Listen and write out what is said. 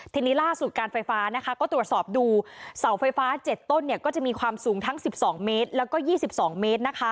ทีนี้ล่าสุดการไฟฟ้านะคะก็ตรวจสอบดูเสาไฟฟ้า๗ต้นก็จะมีความสูงทั้ง๑๒เมตรแล้วก็๒๒เมตรนะคะ